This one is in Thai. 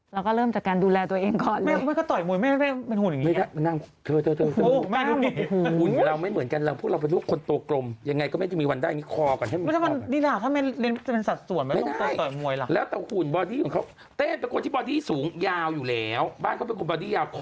เราก็เริ่มจากการดูแลตัวเองก่อนเม้อก่อนไม่ควรโต๊ะมวยมันหุ่นอย่างนี้